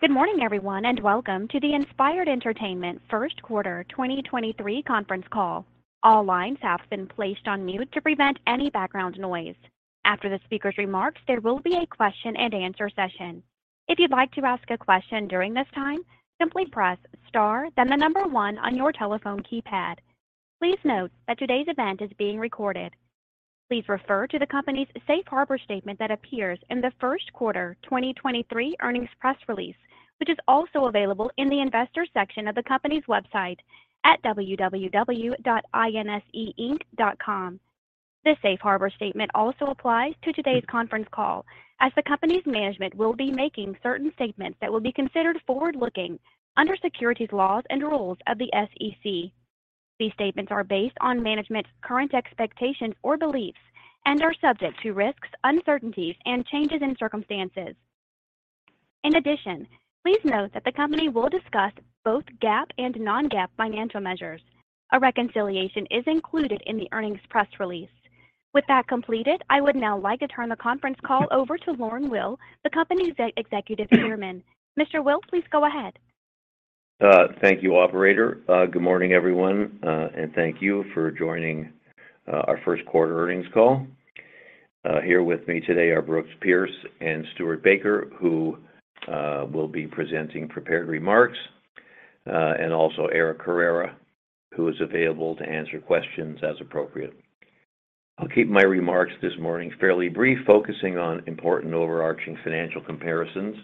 Good morning, everyone, welcome to the Inspired Entertainment Q1 2023 conference call. All lines have been placed on mute to prevent any background noise. After the speaker's remarks, there will be a question and answer session. If you'd like to ask a question during this time, simply press star then the number one on your telephone keypad. Please note that today's event is being recorded. Please refer to the company's safe harbor statement that appears in the Q1 2023 earnings press release, which is also available in the investors section of the company's website at www.inseinc.com. This safe harbor statement also applies to today's conference call as the company's management will be making certain statements that will be considered forward-looking under securities laws and rules of the SEC. These statements are based on management's current expectations or beliefs and are subject to risks, uncertainties, and changes in circumstances. Please note that the company will discuss both GAAP and non-GAAP financial measures. A reconciliation is included in the earnings press release. With that completed, I would now like to turn the conference call over to Lorne Weil, the company's Executive Chairman. Mr. Weil, please go ahead. Thank you, operator. Good morning, everyone, and thank you for joining our Q1 earnings call. Here with me today are Brooks Pierce and Stewart Baker, who will be presenting prepared remarks, and also Eric Carrera, who is available to answer questions as appropriate. I'll keep my remarks this morning fairly brief, focusing on important overarching financial comparisons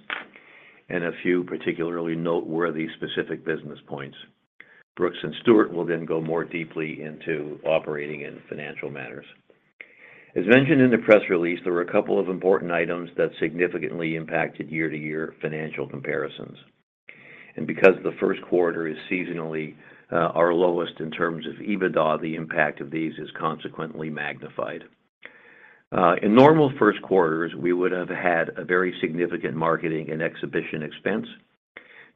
and a few particularly noteworthy specific business points. Brooks and Stuart will then go more deeply into operating and financial matters. As mentioned in the press release, there were a couple of important items that significantly impacted year-to-year financial comparisons. Because the Q1 is seasonally, our lowest in terms of EBITDA, the impact of these is consequently magnified. In normal Q1s, we would have had a very significant marketing and exhibition expense,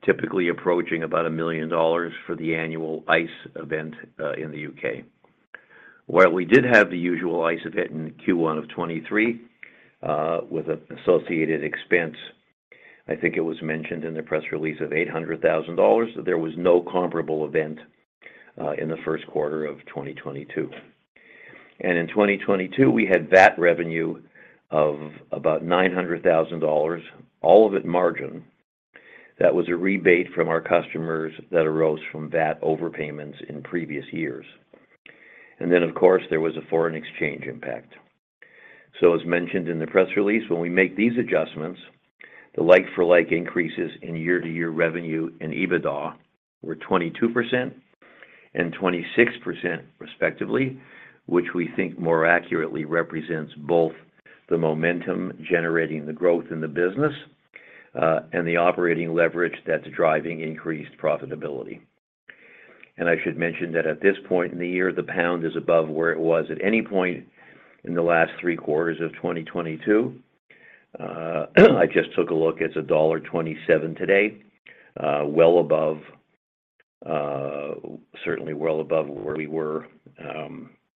typically approaching about $1 million for the annual ICE event in the U.K. While we did have the usual ICE event in Q1 of 2023, with an associated expense, I think it was mentioned in the press release of $800,000, there was no comparable event in the Q1 of 2022. In 2022, we had VAT revenue of about $900,000, all of it margin. That was a rebate from our customers that arose from VAT overpayments in previous years. Of course, there was a foreign exchange impact. As mentioned in the press release, when we make these adjustments, the like-for-like increases in year-over-year revenue and EBITDA were 22% and 26% respectively, which we think more accurately represents both the momentum generating the growth in the business and the operating leverage that's driving increased profitability. I should mention that at this point in the year, the pound is above where it was at any point in the last three quarters of 2022. I just took a look. It's $1.27 today, well above, certainly well above where we were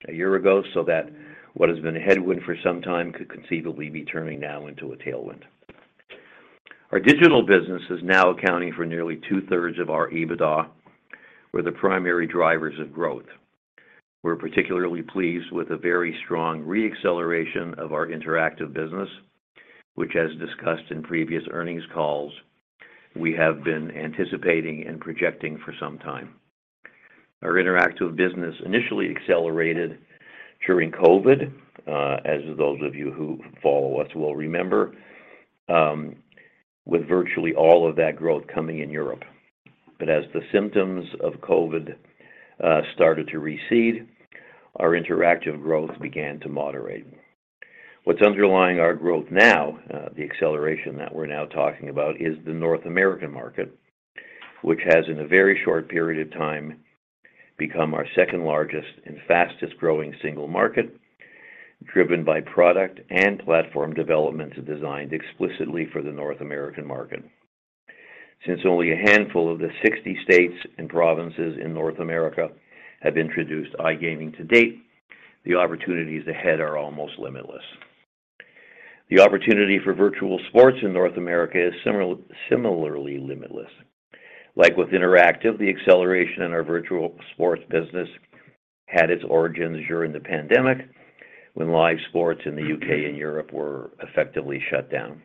a year ago, so that what has been a headwind for some time could conceivably be turning now into a tailwind. Our digital business is now accounting for nearly 2/3 of our EBITDA. We're the primary drivers of growth. We're particularly pleased with the very strong re-acceleration of our interactive business, which as discussed in previous earnings calls, we have been anticipating and projecting for some time. Our interactive business initially accelerated during COVID, as those of you who follow us will remember, with virtually all of that growth coming in Europe. As the symptoms of COVID, started to recede, our interactive growth began to moderate. What's underlying our growth now, the acceleration that we're now talking about, is the North American market, which has in a very short period of time become our second-largest and fastest-growing single market, driven by product and platform developments designed explicitly for the North American market. Since only a handful of the 60 states and provinces in North America have introduced iGaming to date, the opportunities ahead are almost limitless. The opportunity for virtual sports in North America is similarly limitless. Like with interactive, the acceleration in our virtual sports business had its origins during the pandemic when live sports in the U.K. and Europe were effectively shut down.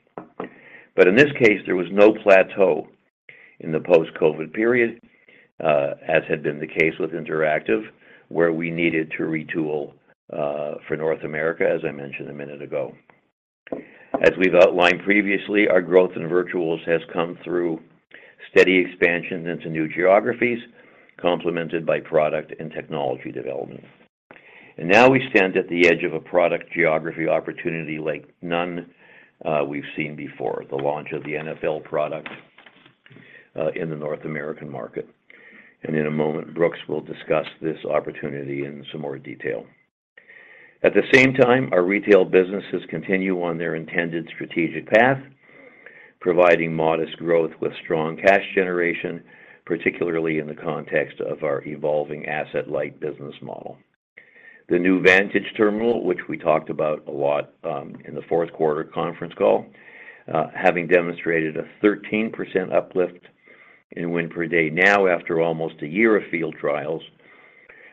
In this case, there was no plateau in the post-COVID period, as had been the case with interactive, where we needed to retool for North America, as I mentioned a minute ago. As we've outlined previously, our growth in virtuals has come through steady expansion into new geographies complemented by product and technology development. Now we stand at the edge of a product geography opportunity like none we've seen before the launch of the NFL product in the North American market. In a moment, Brooks will discuss this opportunity in some more detail. At the same time, our retail businesses continue on their intended strategic path, providing modest growth with strong cash generation, particularly in the context of our evolving asset-light business model. The new Vantage terminal, which we talked about a lot, in the Q4 conference call, having demonstrated a 13% uplift in win per day now after almost a year of field trials,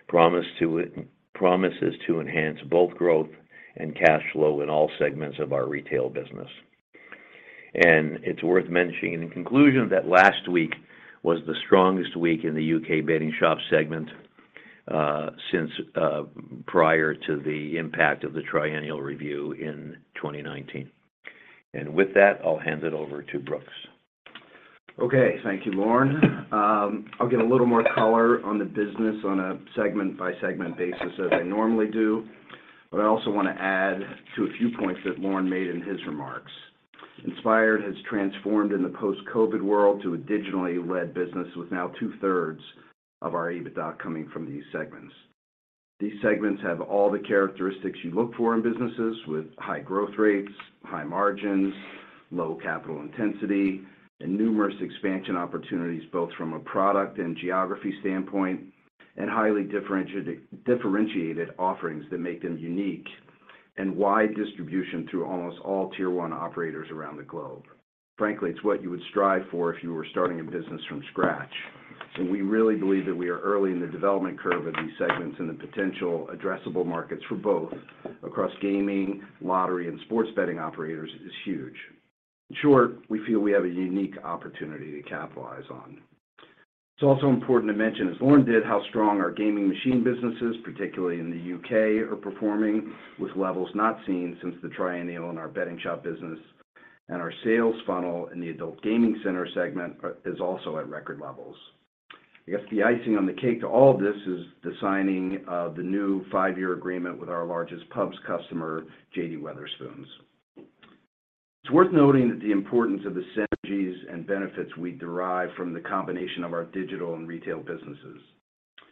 promises to enhance both growth and cash flow in all segments of our retail business. It's worth mentioning in conclusion that last week was the strongest week in the U.K. betting shop segment, since prior to the impact of the Triennial Review in 2019. With that, I'll hand it over to Brooks. Okay. Thank you, Lorne. I'll give a little more color on the business on a segment-by-segment basis as I normally do. I also wanna add to a few points that Lorne made in his remarks. Inspired has transformed in the post-COVID world to a digitally led business with now two-thirds of our EBITDA coming from these segments. These segments have all the characteristics you look for in businesses with high growth rates, high margins, low capital intensity, and numerous expansion opportunities, both from a product and geography standpoint, and highly differentiated offerings that make them unique, and wide distribution through almost all tier one operators around the globe. Frankly, it's what you would strive for if you were starting a business from scratch. We really believe that we are early in the development curve of these segments and the potential addressable markets for both across gaming, lottery, and sports betting operators is huge. In short, we feel we have a unique opportunity to capitalize on. It's also important to mention, as Lorne did, how strong our gaming machine businesses, particularly in the U.K., are performing with levels not seen since the Triennial in our betting shop business, and our sales funnel in the adult gaming center segment is also at record levels. I guess the icing on the cake to all of this is the signing of the new five-year agreement with our largest pubs customer, JD Wetherspoon. It's worth noting that the importance of the synergies and benefits we derive from the combination of our digital and retail businesses.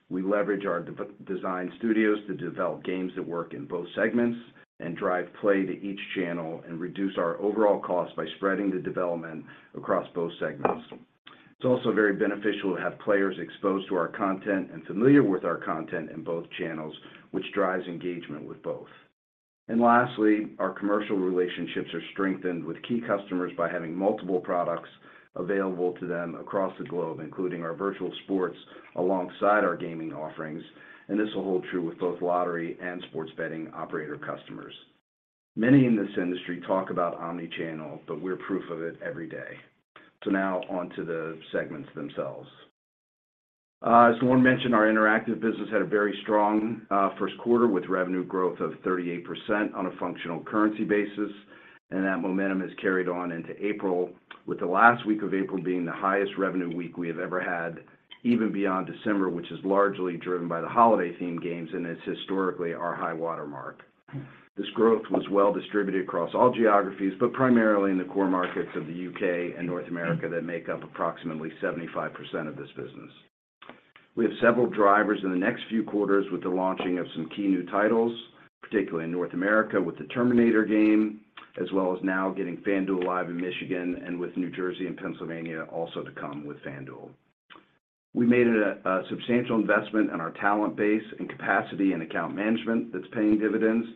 We leverage our design studios to develop games that work in both segments and drive play to each channel and reduce our overall cost by spreading the development across both segments. It's also very beneficial to have players exposed to our content and familiar with our content in both channels, which drives engagement with both. Lastly, our commercial relationships are strengthened with key customers by having multiple products available to them across the globe, including our virtual sports alongside our gaming offerings, and this will hold true with both lottery and sports betting operator customers. Many in this industry talk about omni-channel, but we're proof of it every day. Now on to the segments themselves. As Lorne mentioned, our interactive business had a very strong Q1 with revenue growth of 38% on a functional currency basis, and that momentum has carried on into April, with the last week of April being the highest revenue week we have ever had, even beyond December, which is largely driven by the holiday theme games, and it's historically our high watermark. This growth was well distributed across all geographies, but primarily in the core markets of the U.K. and North America that make up approximately 75% of this business. We have several drivers in the next few quarters with the launching of some key new titles, particularly in North America with The Terminator game, as well as now getting FanDuel live in Michigan and with New Jersey and Pennsylvania also to come with FanDuel. We made a substantial investment in our talent base and capacity and account management that's paying dividends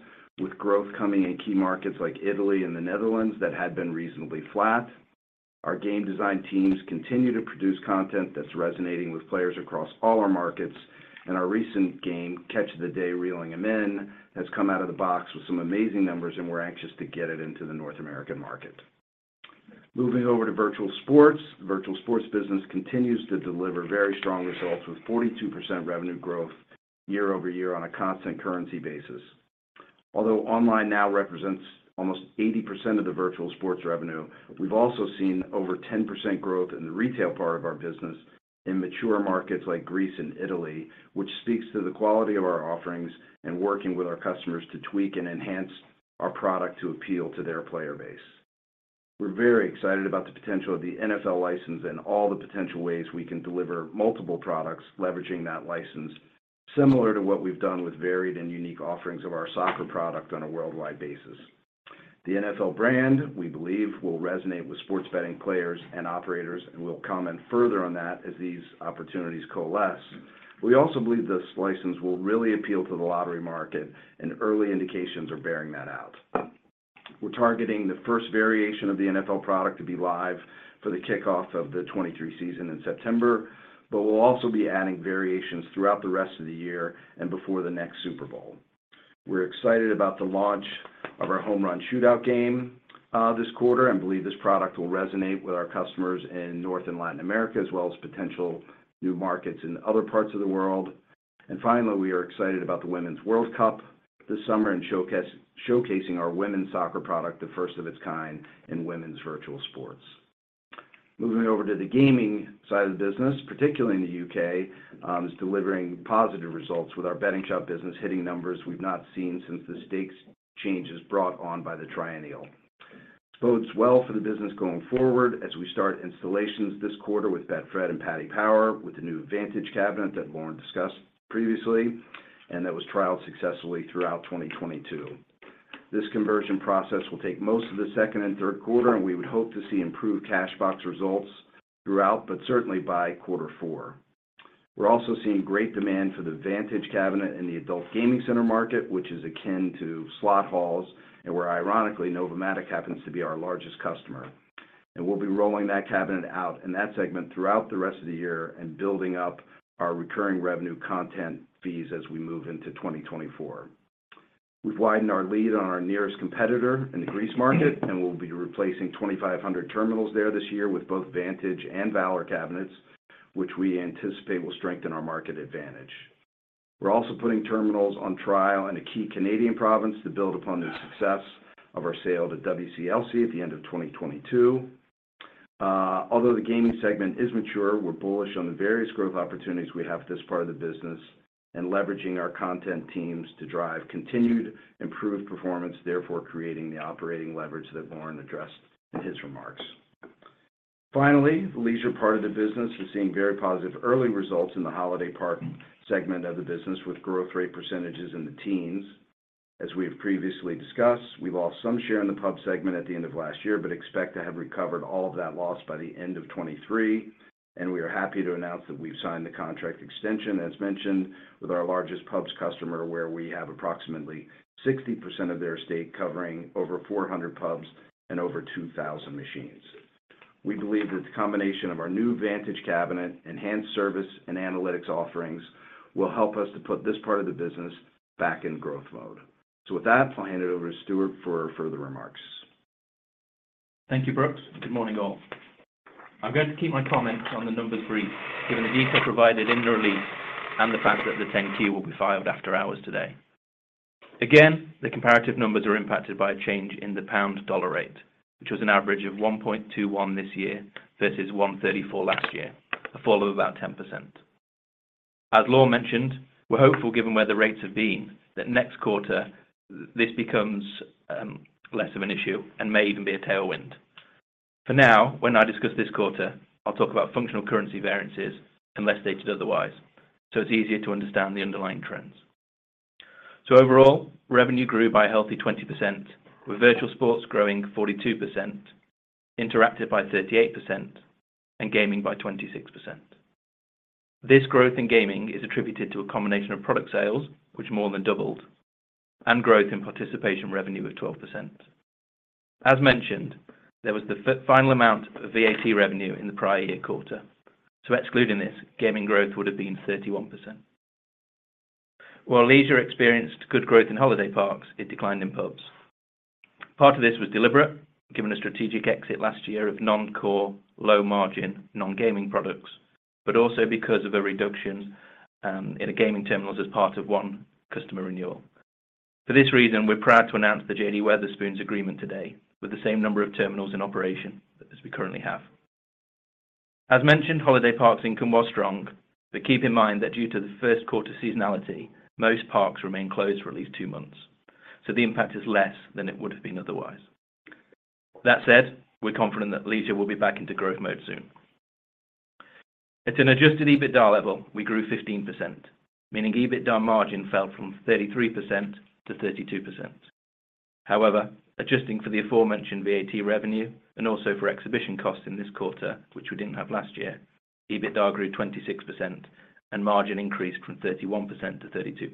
with growth coming in key markets like Italy and the Netherlands that had been reasonably flat. Our game design teams continue to produce content that's resonating with players across all our markets, Our recent game, Catch of the Day: Reeling Em In, has come out of the box with some amazing numbers. We're anxious to get it into the North American market. Moving over to virtual sports. Virtual sports business continues to deliver very strong results with 42% revenue growth year-over-year on a constant currency basis. Although online now represents almost 80% of the virtual sports revenue, we've also seen over 10% growth in the retail part of our business in mature markets like Greece and Italy, which speaks to the quality of our offerings and working with our customers to tweak and enhance our product to appeal to their player base. We're very excited about the potential of the NFL license and all the potential ways we can deliver multiple products leveraging that license, similar to what we've done with varied and unique offerings of our soccer product on a worldwide basis. The NFL brand, we believe, will resonate with sports betting players and operators, and we'll comment further on that as these opportunities coalesce. We also believe this license will really appeal to the lottery market, and early indications are bearing that out. We're targeting the first variation of the NFL product to be live for the kickoff of the 2023 season in September. We'll also be adding variations throughout the rest of the year and before the next Super Bowl. We're excited about the launch of our Home Run Shootout game this quarter. Believe this product will resonate with our customers in North and Latin America, as well as potential new markets in other parts of the world. Finally, we are excited about the Women's World Cup this summer and showcasing our women's soccer product, the first of its kind in women's virtual sports. Moving over to the gaming side of the business, particularly in the U.K., is delivering positive results with our betting shop business hitting numbers we've not seen since the stakes changes brought on by the Triennial. Bodes well for the business going forward as we start installations this quarter with Betfred and Paddy Power with the new Vantage cabinet that Lorne discussed previously and that was trialed successfully throughout 2022. This conversion process will take most of the second and Q3, we would hope to see improved cash box results throughout, but certainly by quarter four. We're also seeing great demand for the Vantage cabinet in the adult gaming center market, which is akin to slot halls and where ironically, NOVOMATIC happens to be our largest customer. We'll be rolling that cabinet out in that segment throughout the rest of the year and building up our recurring revenue content fees as we move into 2024. We've widened our lead on our nearest competitor in the Greece market, and we'll be replacing 2,500 terminals there this year with both Vantage and Valor cabinets, which we anticipate will strengthen our market advantage. We're also putting terminals on trial in a key Canadian province to build upon the success of our sale to WCLC at the end of 2022. Although the gaming segment is mature, we're bullish on the various growth opportunities we have at this part of the business and leveraging our content teams to drive continued improved performance, therefore creating the operating leverage that Lorne addressed in his remarks. Finally, the leisure part of the business is seeing very positive early results in the holiday park segment of the business with growth rate percentages in the teens. As we have previously discussed, we lost some share in the pub segment at the end of last year, but expect to have recovered all of that loss by the end of 23. We are happy to announce that we've signed the contract extension, as mentioned, with our largest pubs customer, where we have approximately 60% of their estate covering over 400 pubs and over 2,000 machines. We believe that the combination of our new Vantage cabinet, enhanced service and analytics offerings will help us to put this part of the business back in growth mode. With that, I'll hand it over to Stewart for further remarks. Thank you, Brooks. Good morning, all. I'm going to keep my comments on the numbers brief, given the detail provided in the release and the fact that the 10-Q will be filed after hours today. Again, the comparative numbers are impacted by a change in the pound-dollar rate, which was an average of 1.21 this year versus 1.34 last year, a fall of about 10%. As Lorne mentioned, we're hopeful given where the rates have been that next quarter this becomes less of an issue and may even be a tailwind. For now, when I discuss this quarter, I'll talk about functional currency variances unless stated otherwise, so it's easier to understand the underlying trends. Overall, revenue grew by a healthy 20%, with virtual sports growing 42%, interactive by 38%, and gaming by 26%. This growth in gaming is attributed to a combination of product sales, which more than doubled, and growth in participation revenue of 12%. As mentioned, there was the final amount of VAT revenue in the prior year quarter. Excluding this, gaming growth would have been 31%. While leisure experienced good growth in holiday parks, it declined in pubs. Part of this was deliberate given a strategic exit last year of non-core, low margin, non-gaming products, but also because of a reduction in the gaming terminals as part of one customer renewal. This reason, we're proud to announce the JD Wetherspoon's agreement today with the same number of terminals in operation as we currently have. As mentioned, holiday parks income was strong. Keep in mind that due to the Q1 seasonality, most parks remain closed for at least two months. The impact is less than it would have been otherwise. That said, we're confident that leisure will be back into growth mode soon. At an Adjusted EBITDA level, we grew 15%, meaning EBITDA margin fell from 33% to 32%. However, adjusting for the aforementioned VAT revenue and also for exhibition costs in this quarter, which we didn't have last year, EBITDA grew 26% and margin increased from 31% to 32%.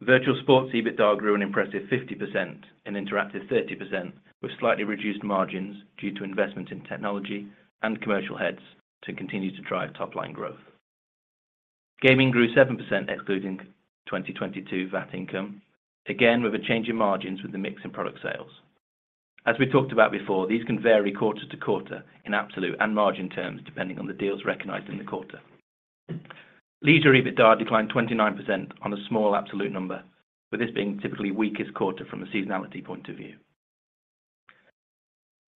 Virtual sports EBITDA grew an impressive 50% and interactive 30%, with slightly reduced margins due to investment in technology and commercial heads to continue to drive top-line growth. Gaming grew 7% excluding 2022 VAT income, again, with a change in margins with the mix in product sales. As we talked about before, these can vary quarter to quarter in absolute and margin terms, depending on the deals recognized in the quarter. Leisure EBITDA declined 29% on a small absolute number, with this being typically weakest quarter from a seasonality point of view.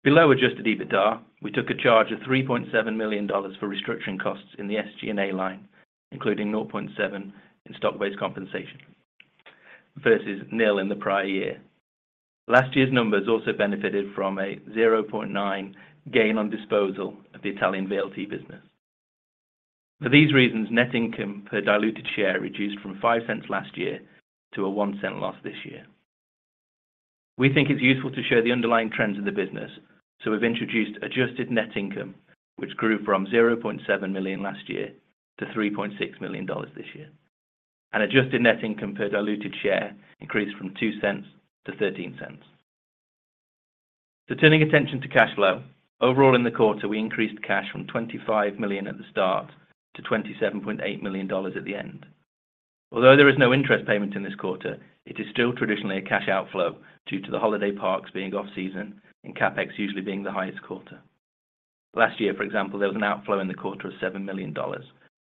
Below Adjusted EBITDA, we took a charge of $3.7 million for restructuring costs in the SG&A line, including $0.7 in stock-based compensation versus nil in the prior year. Last year's numbers also benefited from a $0.9 gain on disposal of the Italian VLT business. For these reasons, net income per diluted share reduced from $0.05 last year to a $0.01 loss this year. We think it's useful to show the underlying trends of the business, so we've introduced Adjusted Net Income, which grew from $0.7 million last year to $3.6 million this year. Adjusted Net Income per diluted share increased from $0.02 to $0.13. Turning attention to cash flow, overall in the quarter, we increased cash from $25 million at the start to $27.8 million at the end. Although there is no interest payment in this quarter, it is still traditionally a cash outflow due to the holiday parks being off season and CapEx usually being the highest quarter. Last year, for example, there was an outflow in the quarter of $7 million,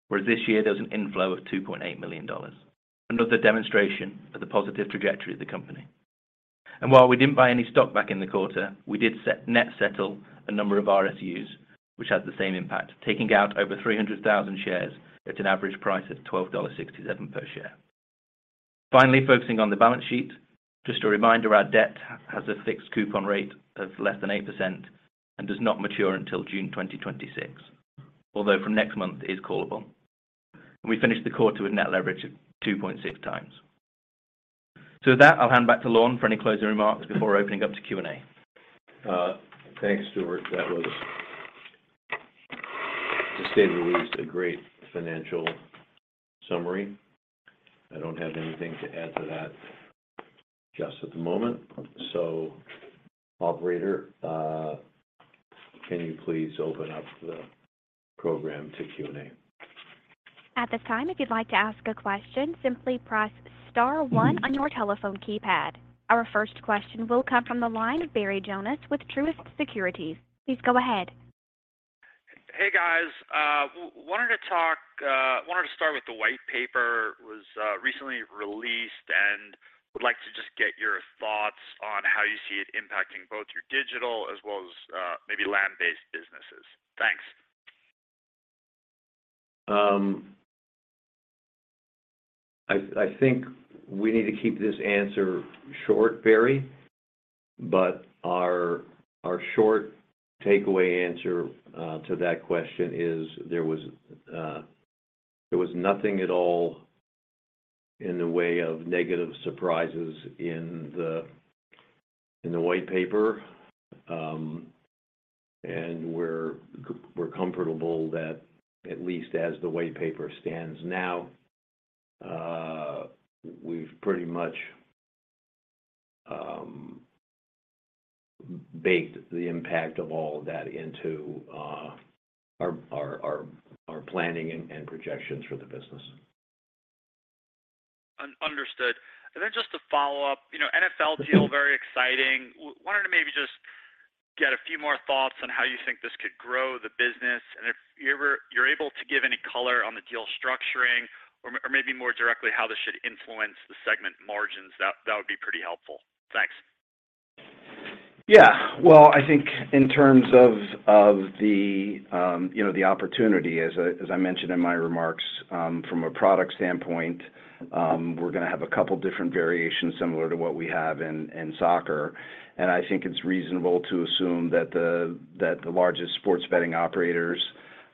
whereas this year there was an inflow of $2.8 million. Another demonstration of the positive trajectory of the company. While we didn't buy any stock back in the quarter, we did set net settle a number of RSUs, which has the same impact, taking out over 300,000 shares at an average price of $12.67 per share. Finally, focusing on the balance sheet, just a reminder, our debt has a fixed coupon rate of less than 8% and does not mature until June 2026. Although from next month it is callable. We finished the quarter with net leverage at 2.6 times. With that, I'll hand back to Lorne for any closing remarks before opening up to Q&A. Thanks, Stewart. That was, to say the least, a great financial summary. I don't have anything to add to that just at the moment. Operator, can you please open up the program to Q&A? At this time, if you'd like to ask a question, simply press star 1 on your telephone keypad. Our first question will come from the line of Barry Jonas with Truist Securities. Please go ahead. Hey, guys. Wanted to start with the white paper. It was recently released. Would like to just get your thoughts on how you see it impacting both your digital as well as maybe land-based businesses. Thanks. I think we need to keep this answer short, Barry, but our short takeaway answer to that question is there was nothing at all in the way of negative surprises in the white paper. We're comfortable that at least as the white paper stands now, we've pretty much baked the impact of all of that into our planning and projections for the business. Just to follow up, you know, NFL deal, very exciting. Wanted to maybe just get a few more thoughts on how you think this could grow the business, and if you're able to give any color on the deal structuring or maybe more directly how this should influence the segment margins, that would be pretty helpful. Thanks. Yeah. Well, I think in terms of the, you know, the opportunity, as I mentioned in my remarks, from a product standpoint, we're gonna have a couple different variations similar to what we have in soccer. I think it's reasonable to assume that the largest sports betting operators,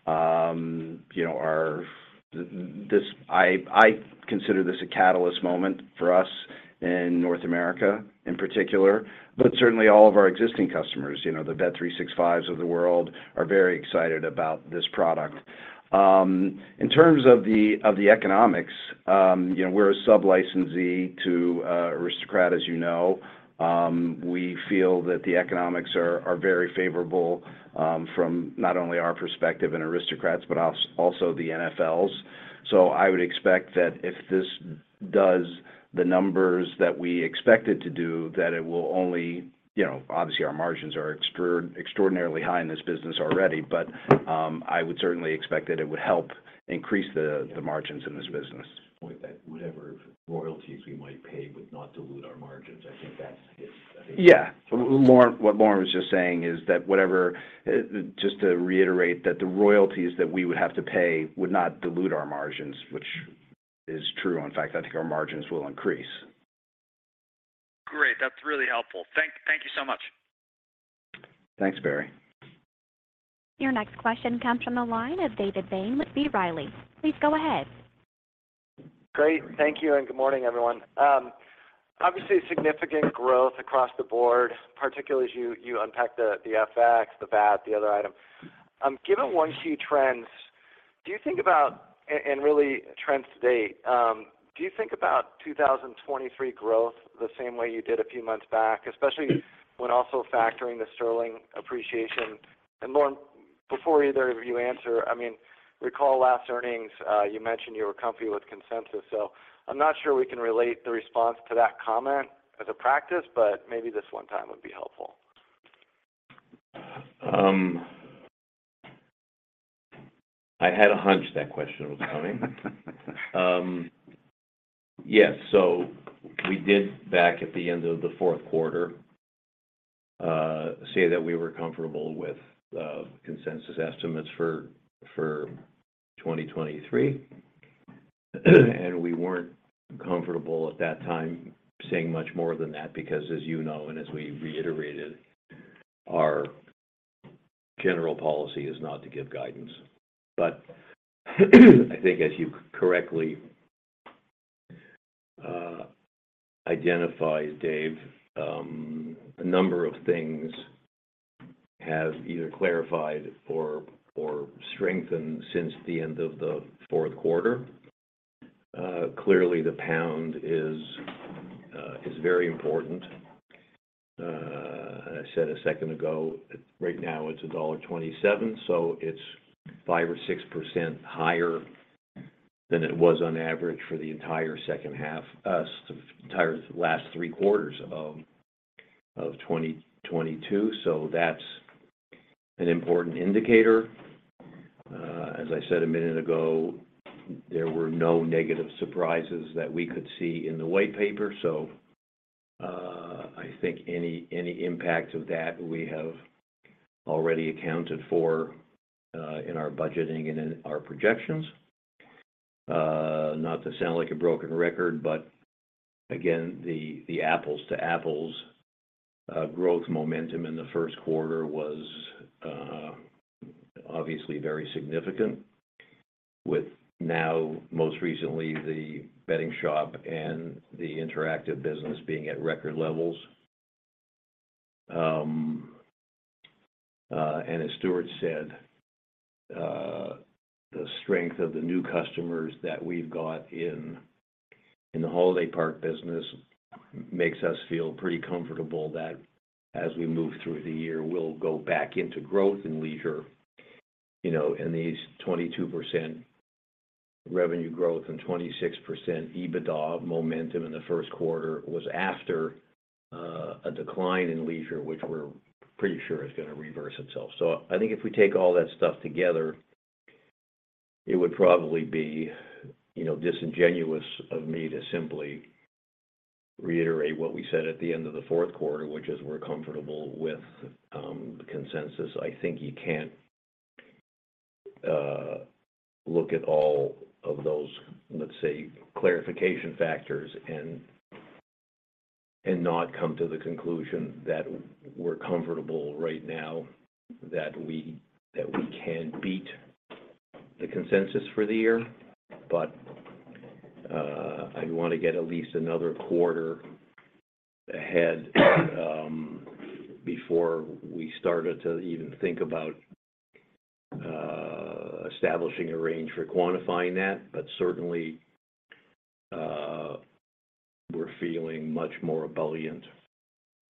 you know, I consider this a catalyst moment for us in North America in particular, but certainly all of our existing customers, you know, the bet365s of the world are very excited about this product. In terms of the economics, you know, we're a licensee to Aristocrat, as you know. We feel that the economics are very favorable from not only our perspective and Aristocrat's, but also the NFL's. I would expect that if this does the numbers that we expect it to do, that it will only. You know, obviously our margins are extraordinarily high in this business already, but I would certainly expect that it would help increase the margins in this business. Point that whatever royalties we might pay would not dilute our margins. I think that's his. Yeah. What Lorne was just saying is that whatever, just to reiterate that the royalties that we would have to pay would not dilute our margins, which is true. In fact, I think our margins will increase. Great. That's really helpful. Thank you so much. Thanks, Barry. Your next question comes from the line of David Bain with B. Riley. Please go ahead. Great. Thank you. Good morning, everyone. Obviously significant growth across the board, particularly as you unpack the FX, the VAT, the other item. Given one key trends, really trends to date, do you think about 2023 growth the same way you did a few months back? Especially when also factoring the sterling appreciation. Lorne, before either of you answer, I mean, recall last earnings, you mentioned you were comfy with consensus. I'm not sure we can relate the response to that comment as a practice, maybe this one time would be helpful. I had a hunch that question was coming. Yeah. We did back at the end of the Q4 say that we were comfortable with the consensus estimates for 2023. We weren't comfortable at that time saying much more than that because as you know, and as we reiterated, our general policy is not to give guidance. I think as you correctly identified, Dave, a number of things have either clarified or strengthened since the end of the Q4. Clearly the pound is very important. I said a second ago, right now it's $1.27, so it's 5% or 6% higher than it was on average for the entire H2, entire last three quarters of 2022. That's an important indicator. As I said a minute ago, there were no negative surprises that we could see in the white paper, so I think any impact of that we have already accounted for in our budgeting and in our projections. Not to sound like a broken record, but again, the apples to apples growth momentum in the Q1 was obviously very significant with now most recently the betting shop and the interactive business being at record levels. As Stewart said, the strength of the new customers that we've got in the Holiday Park business makes us feel pretty comfortable that as we move through the year, we'll go back into growth and leisure, you know, in these 22% revenue growth and 26% EBITDA momentum in the Q1 was after a decline in leisure, which we're pretty sure is gonna reverse itself. I think if we take all that stuff together, it would probably be, you know, disingenuous of me to simply reiterate what we said at the end of the Q4, which is we're comfortable with consensus. I think you can't look at all of those, let's say, clarification factors and not come to the conclusion that we're comfortable right now that we can beat the consensus for the year. I'd wanna get at least another quarter ahead, before we started to even think about establishing a range for quantifying that. Certainly, we're feeling much more ebullient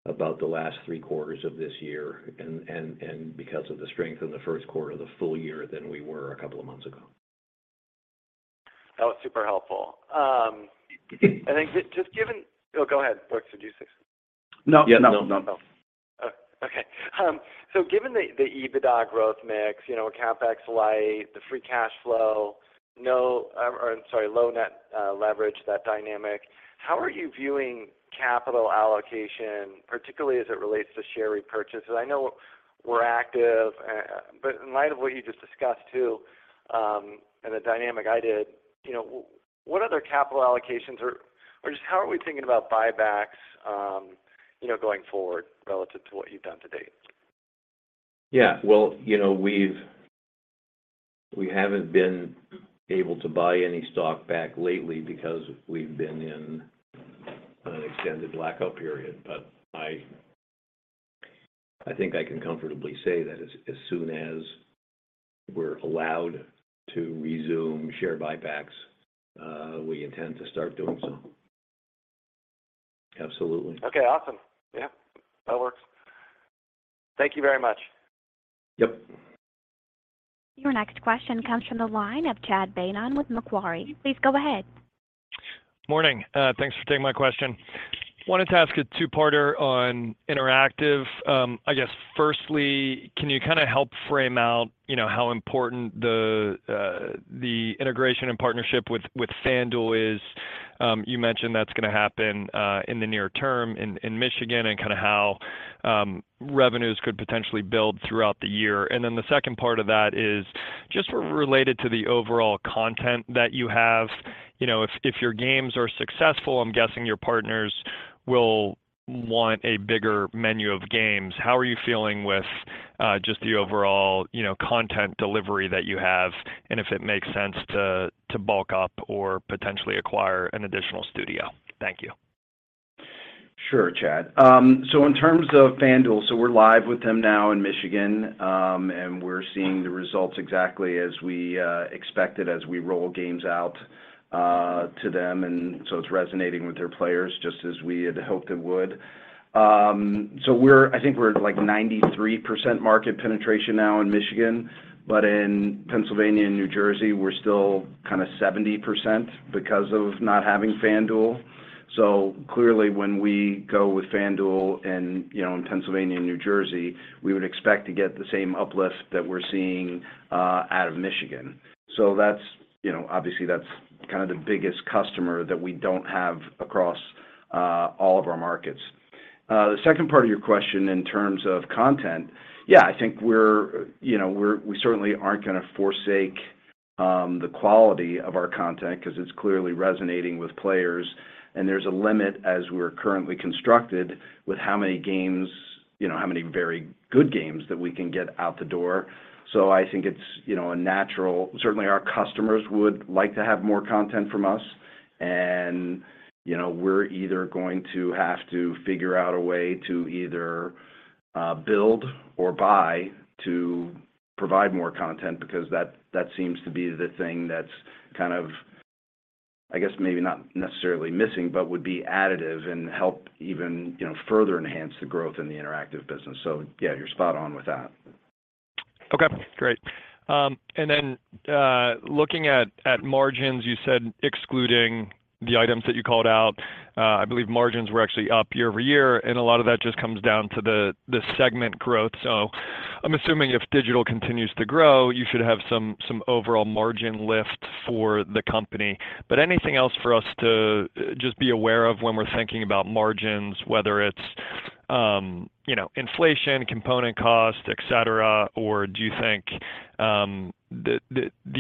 about the last three quarters of this year and because of the strength in the Q1, the full year than we were a couple of months ago. That was super helpful. Oh, go ahead. Brooks, did you say something? No. Yeah. No. No. Oh, okay. Given the EBITDA growth mix, you know, CapEx light, the free cash flow, no, or, I'm sorry, low net leverage, that dynamic, how are you viewing capital allocation, particularly as it relates to share repurchases? I know we're active, but in light of what you just discussed too, and the dynamic I did, you know, what other capital allocations or just how are we thinking about buybacks, you know, going forward relative to what you've done to date? Yeah. Well, you know, we haven't been able to buy any stock back lately because we've been in an extended blackout period. I think I can comfortably say that as soon as we're allowed to resume share buybacks, we intend to start doing so. Absolutely. Okay, awesome. Yeah. That works. Thank you very much. Yep. Your next question comes from the line of Chad Beynon with Macquarie. Please go ahead. Morning. Thanks for taking my question. Wanted to ask a two-parter on interactive. I guess, firstly, can you kinda help frame out, you know, how important the integration and partnership with FanDuel is? You mentioned that's gonna happen in the near term in Michigan and kinda how revenues could potentially build throughout the year. The second part of that is just related to the overall content that you have. You know, if your games are successful, I'm guessing your partners will want a bigger menu of games. How are you feeling with just the overall, you know, content delivery that you have, and if it makes sense to bulk up or potentially acquire an additional studio? Thank you. Sure, Chad. In terms of FanDuel, so we're live with them now in Michigan, and we're seeing the results exactly as we expected as we roll games out to them. It's resonating with their players just as we had hoped it would. I think we're at, like, 93% market penetration now in Michigan, but in Pennsylvania and New Jersey, we're still kinda 70% because of not having FanDuel. Clearly, when we go with FanDuel in, you know, in Pennsylvania and New Jersey, we would expect to get the same uplift that we're seeing out of Michigan. That's, you know, obviously that's kinda the biggest customer that we don't have across all of our markets. The second part of your question in terms of content, yeah, I think we're, you know, we certainly aren't gonna forsake the quality of our content 'cause it's clearly resonating with players, and there's a limit as we're currently constructed with how many games, you know, how many very good games that we can get out the door. I think it's, you know, a natural. Certainly our customers would like to have more content from us and, you know, we're either going to have to figure out a way to either build or buy to provide more content because that seems to be the thing that's kind of, I guess, maybe not necessarily missing, but would be additive and help even, you know, further enhance the growth in the interactive business. Yeah, you're spot on with that. Okay, great. Looking at margins, you said excluding the items that you called out, I believe margins were actually up year-over-year, and a lot of that just comes down to the segment growth. I'm assuming if digital continues to grow, you should have some overall margin lift for the company. Anything else for us to just be aware of when we're thinking about margins, whether it's, you know, inflation, component cost, et cetera, or do you think the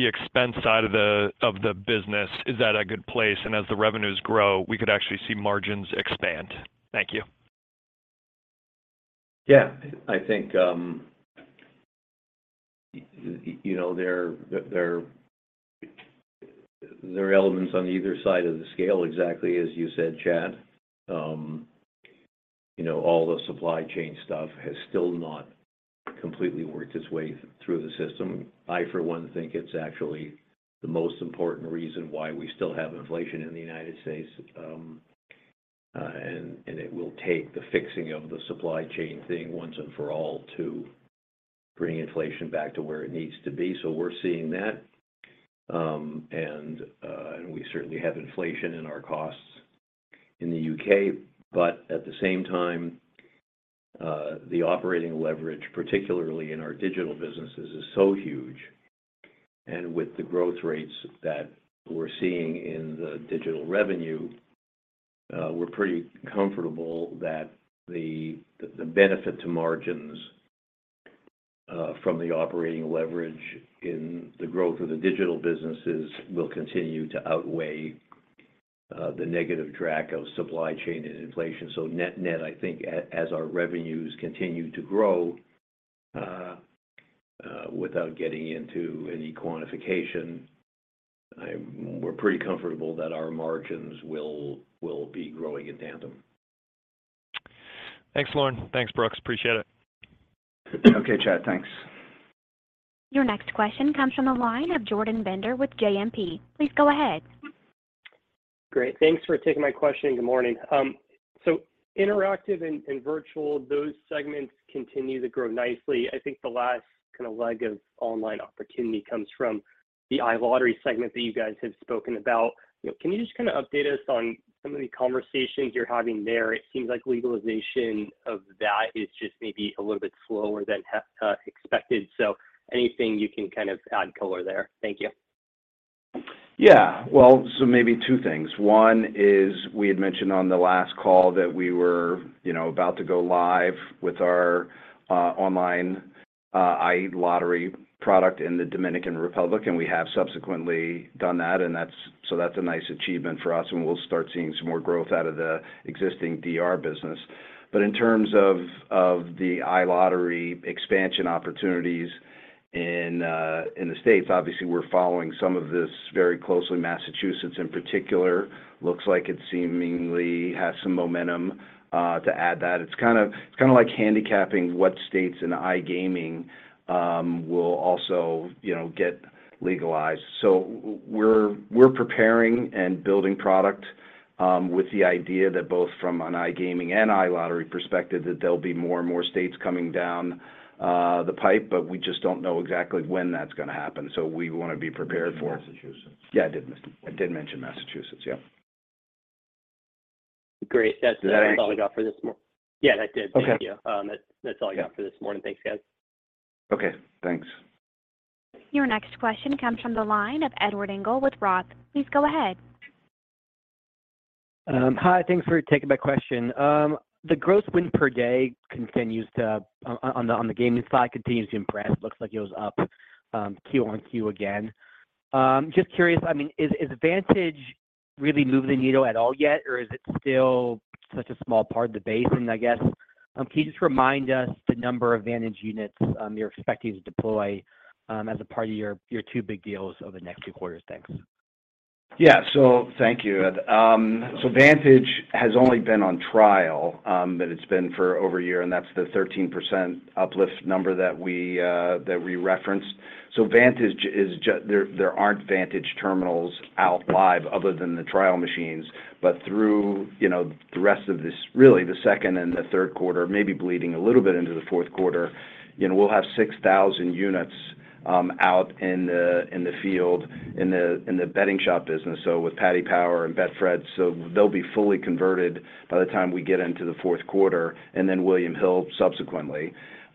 expense side of the business, is that a good place? As the revenues grow, we could actually see margins expand. Thank you. Yeah, I think, you know, there are elements on either side of the scale, exactly as you said, Chad. You know, all the supply chain stuff has still not completely worked its way through the system. I, for one, think it's actually the most important reason why we still have inflation in the United States. It will take the fixing of the supply chain thing once and for all to bring inflation back to where it needs to be. We're seeing that. We certainly have inflation in our costs in the U.K. At the same time, the operating leverage, particularly in our digital businesses, is so huge. With the growth rates that we're seeing in the digital revenue, we're pretty comfortable that the benefit to margins from the operating leverage in the growth of the digital businesses will continue to outweigh the negative drag of supply chain and inflation. Net-net, I think as our revenues continue to grow, without getting into any quantification, we're pretty comfortable that our margins will be growing in tandem. Thanks, Lorne. Thanks, Brooks. Appreciate it. Okay, Chad. Thanks. Your next question comes from the line of Jordan Bender with JMP. Please go ahead. Great. Thanks for taking my question. Good morning. Interactive and virtual, those segments continue to grow nicely. I think the last kinda leg of online opportunity comes from the iLottery segment that you guys have spoken about. You know, can you just kinda update us on some of the conversations you're having there? It seems like legalization of that is just maybe a little bit slower than expected. Anything you can kind of add color there. Thank you. Well, maybe two things. One is we had mentioned on the last call that we were, you know, about to go live with our online iLottery product in the Dominican Republic, and we have subsequently done that, and that's a nice achievement for us, and we'll start seeing some more growth out of the existing DR business. In terms of the iLottery expansion opportunities in the States, obviously, we're following some of this very closely. Massachusetts in particular looks like it seemingly has some momentum to add that. It's kinda like handicapping what states in iGaming will also, you know, get legalized. We're preparing and building product with the idea that both from an iGaming and iLottery perspective, that there'll be more and more states coming down the pipe, but we just don't know exactly when that's gonna happen. We wanna be prepared. You did mention Massachusetts. Yeah, I did mention Massachusetts. Yeah. Great. That's, Did that answer? All I got for this. Yeah, that did. Okay. Thank you. That's all I got for this morning. Thanks, guys. Okay, thanks. Your next question comes from the line of Edward Engel with Roth. Please go ahead. Hi. Thanks for taking my question. The gross win per day continues on the gaming side, continues to impress. Looks like it was up Q on Q again. Just curious, I mean, has Vantage really moved the needle at all yet? Or is it still such a small part of the base? I guess, can you just remind us the number of Vantage units you're expecting to deploy as a part of your two big deals over the next two quarters? Thanks. Yeah. Thank you, Ed. Vantage has only been on trial, but it's been for over a year, and that's the 13% uplift number that we referenced. Vantage is there aren't Vantage terminals out live other than the trial machines. Through, you know, the rest of this, really the second and Q3, maybe bleeding a little bit into the Q4, you know, we'll have 6,000 units out in the field in the betting shop business, so with Paddy Power and Betfred. They'll be fully converted by the time we get into the Q4, and then William Hill subsequently.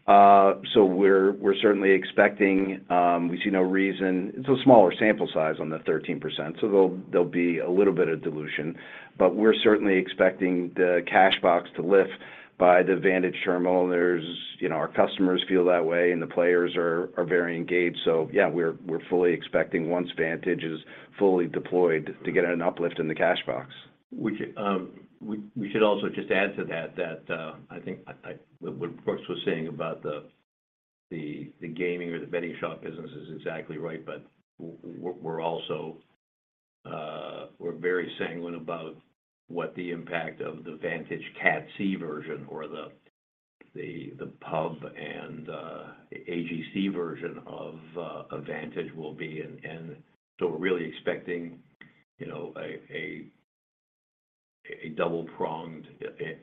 We're certainly expecting, we see no reason. It's a smaller sample size on the 13%, so there'll be a little bit of dilution. We're certainly expecting the cash box to lift by the Vantage terminal. You know, our customers feel that way, and the players are very engaged. Yeah, we're fully expecting once Vantage is fully deployed to get an uplift in the cash box. We should also just add to that, I think, what Brooks was saying about the gaming or the betting shop business is exactly right. We're also, we're very sanguine about what the impact of the Vantage Cat C version or the pub and AGC version of Vantage will be. So we're really expecting, you know, a double-pronged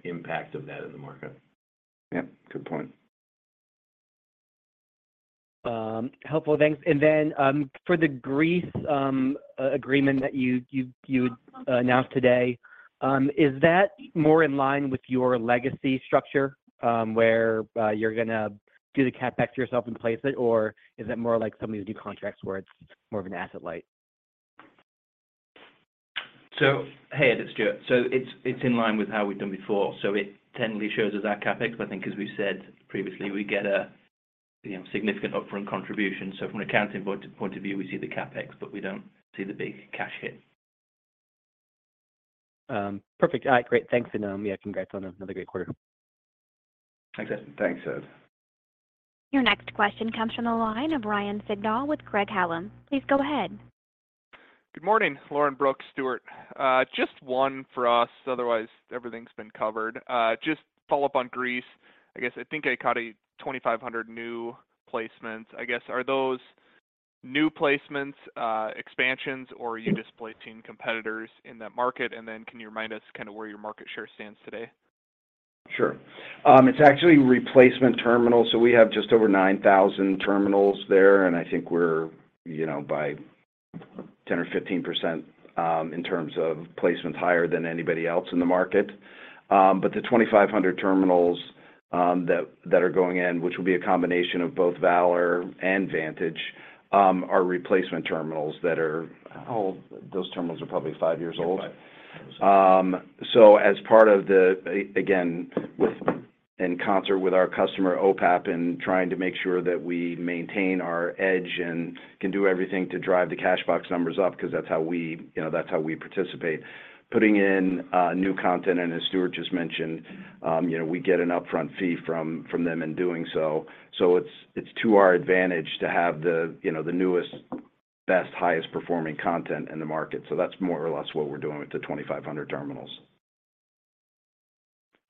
impact of that in the market. Yeah, good point. Helpful. Thanks. For the Greece agreement that you announced today, is that more in line with your legacy structure where you're gonna do the CapEx yourself and place it? Or is it more like some of your new contracts where it's more of an asset light? Hey, Ed. It's Stewart. It's in line with how we've done before. It technically shows as our CapEx, but I think as we said previously, we get a, you know, significant upfront contribution. From an accounting point of view, we see the CapEx, but we don't see the big cash hit. Perfect. All right, great. Thanks. Congrats on another great quarter. Thanks. Thanks, Ed. Your next question comes from the line of Ryan Sigdahl with Craig-Hallum. Please go ahead. Good morning, Lorne, Brooks, Stewart. Just one for us, otherwise everything's been covered. Just follow up on Greece. I guess I think I caught a 2,500 new placements. I guess are those new placements, expansions, or are you displacing competitors in that market? Can you remind us kind of where your market share stands today? Sure. It's actually replacement terminals, so we have just over 9,000 terminals there, and I think we're, you know, by 10% or 15% in terms of placements higher than anybody else in the market. The 2,500 terminals that are going in, which will be a combination of both Valor and Vantage, are replacement terminals. Those terminals are probably five years old. As part of the again, in concert with our customer, OPAP, in trying to make sure that we maintain our edge and can do everything to drive the cash box numbers up because that's how we, you know, that's how we participate, putting in new content, and as Stuart just mentioned, you know, we get an upfront fee from them in doing so. It's to our advantage to have the, you know, the newest, best, highest performing content in the market. That's more or less what we're doing with the 2,500 terminals.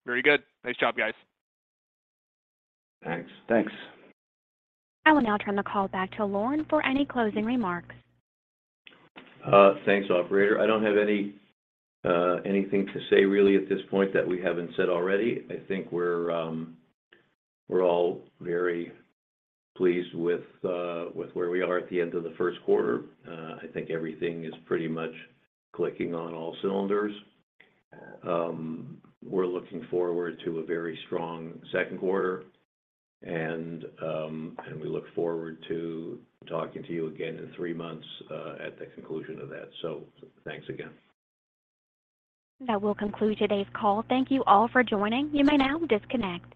Very good. Nice job, guys. Thanks. Thanks. I will now turn the call back to Lorne for any closing remarks. Thanks, operator. I don't have any anything to say really at this point that we haven't said already. I think we're we're all very pleased with with where we are at the end of the Q1. I think everything is pretty much clicking on all cylinders. We're looking forward to a very strong Q2, and and we look forward to talking to you again in three months, at the conclusion of that. Thanks again. That will conclude today's call. Thank you all for joining. You may now disconnect.